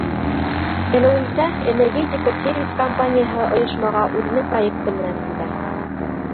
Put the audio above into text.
— Белеүемсә, энергетика-сервис компанияһы ойошмаға үҙенең проекты менән килә...